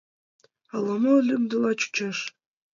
Ала-мо лӱдмыла чучеш...